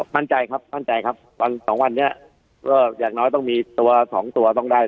มั่นใจครับมั่นใจครับวันสองวันนี้ก็อย่างน้อยต้องมีตัวสองตัวต้องได้